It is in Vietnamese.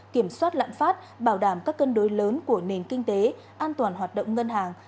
kiểm soát lạm phát bảo đảm các cân đối lớn của nền kinh tế an toàn hoạt động ngân hàng